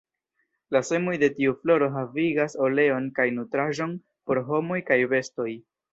La semoj de tiu floro havigas oleon kaj nutraĵon por homoj kaj bestoj.